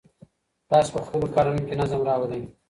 تاسي په خپلو کارونو کي نظم راولئ.